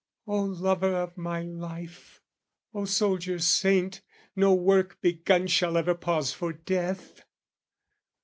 O lover of my life, O soldier saint, No work begun shall ever pause for death!